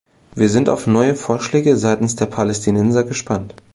Wir sind auf neue Vorschläge seitens der Palästinenser gespannt.